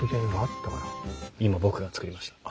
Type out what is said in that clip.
今僕が作りました。